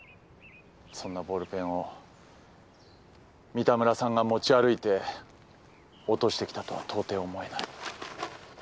そんなボールペンを三田村さんが持ち歩いて落としてきたとはとうてい思えない。